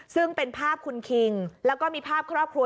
ซึ่งเป็นภาพคุณคิงแล้วก็มีภาพครอบครัว